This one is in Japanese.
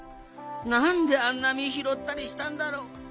なんであんなみひろったりしたんだろう。